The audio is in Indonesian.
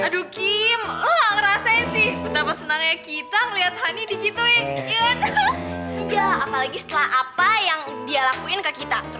juteknya setengah mati kayak gitu